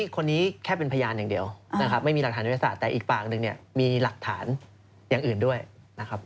คนนี้แค่เป็นพยานอย่างเดียวนะครับไม่มีหลักฐานวิทยาศาสตร์แต่อีกปากหนึ่งเนี่ยมีหลักฐานอย่างอื่นด้วยนะครับ